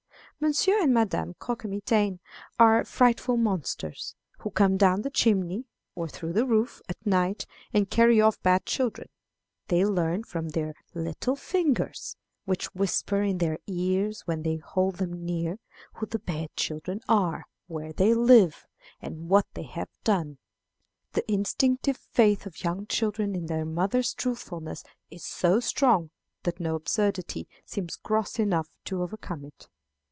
Monsieur and Madame Croquemitaine are frightful monsters, who come down the chimney, or through the roof, at night, and carry off bad children. They learn from their little fingers which whisper in their ears when they hold them near who the bad children are, where they live, and what they have done. The instinctive faith of young children in their mother's truthfulness is so strong that no absurdity seems gross enough to overcome it.